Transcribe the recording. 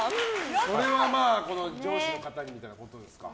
それは上司の方にみたいなことですか。